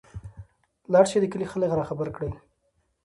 لاړشى د کلي خلک راخبر کړى.